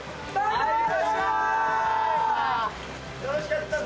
楽しかったぞ！